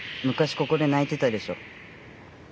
ここでないてたでしょ。